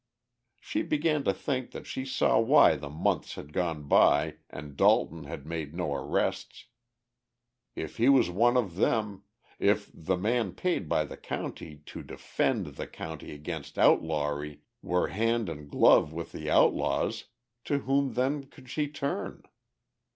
She began to think that she saw why the months had gone by and Dalton had made no arrests! If he was one of them, if the man paid by the county to defend the county against outlawry were hand and glove with the outlaws, to whom then could she turn?